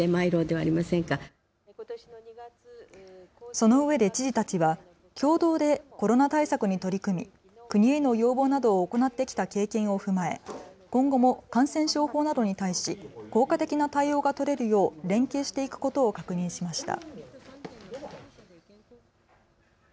そのうえで知事たちは共同でコロナ対策に取り組み国への要望などを行ってきた経験を踏まえ今後も感染症法などに対し効果的な対応が取れるよう連携していくことを確認しました。